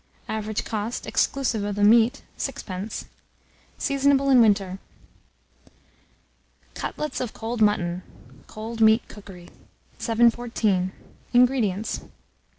Average cost, exclusive of the meat, 6d. Seasonable in winter. CUTLETS OF COLD MUTTON (Cold Meat Cookery). 714. INGREDIENTS.